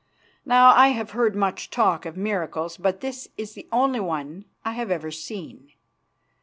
Now I have heard much talk of miracles, but this is the only one I have ever seen.